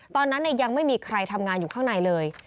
ตอนนั้นยังไม่มีใครทำงานอยู่ข้างในเลย